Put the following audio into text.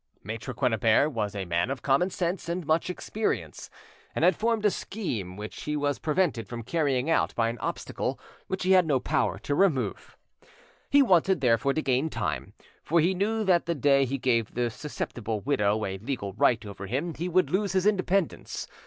Maitre Quennebert was a man of common sense and much experience, and had formed a scheme which he was prevented from carrying out by an obstacle which he had no power to remove. He wanted, therefore, to gain time, for he knew that the day he gave the susceptible widow a legal right over him he would lose his independence.